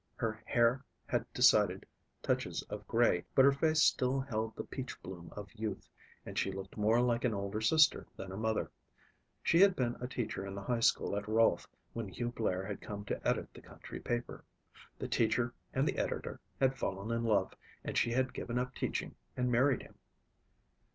Her hair had decided touches of gray but her face still held the peachbloom of youth and she looked more like an older sister than a mother. She had been a teacher in the high school at Rolfe when Hugh Blair had come to edit the country paper. The teacher and the editor had fallen in love and she had given up teaching and married him.